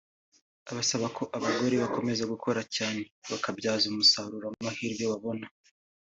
asaba ko abagore bakomeza gukora cyane bakabyaza umusaruro amahirwe babona